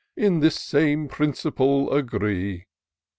In this same principle agree.